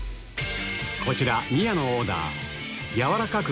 こちら宮野オーダー軟らかく